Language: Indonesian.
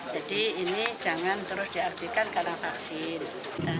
jadi ini jangan terus diartikan karena vaksin